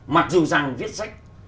mặc dù rằng viết sách